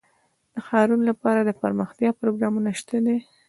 د ښارونو لپاره دپرمختیا پروګرامونه شته دي.